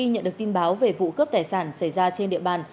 nhận được tin báo về vụ cướp tài sản xảy ra trên địa bàn